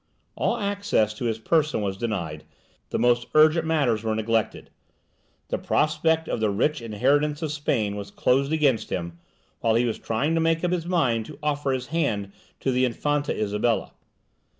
All access to his person was denied, the most urgent matters were neglected. The prospect of the rich inheritance of Spain was closed against him, while he was trying to make up his mind to offer his hand to the Infanta Isabella.